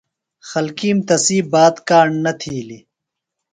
خلکِیم تسی بات کاݨ نہ تِھیلیۡ۔